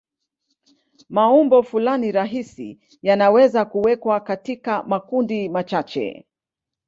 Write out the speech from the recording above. Maumbo fulani rahisi yanaweza kuwekwa katika makundi machache.